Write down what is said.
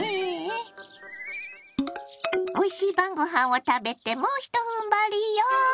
おいしい晩ごはんを食べてもうひとふんばりよ！